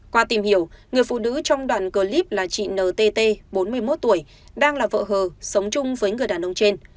qua tìm hiểu người phụ nữ trong đoàn clip là chị ntt bốn mươi một tuổi đang là vợ hờ sống chung với người đàn ông trên